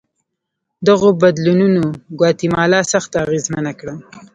دغو بدلونونو ګواتیمالا سخته اغېزمنه کړه.